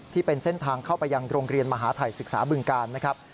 ที่เป็นเส้นทางเข้าไปยังโรงเรียนมหาทัยศึกษาบึงกาลนะครับ